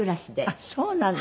あっそうなの。